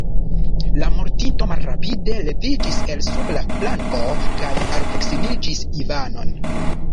La mortinto malrapide leviĝis el sub la planko kaj alproksimiĝis Ivanon.